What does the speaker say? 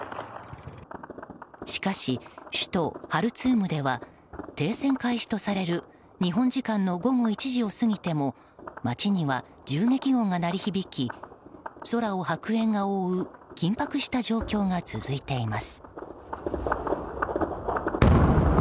しかし、首都ハルツームでは停戦開始とされる日本時間の午後１時を過ぎても街には銃撃音が鳴り響き空を白煙が覆う緊迫した状況が続いています。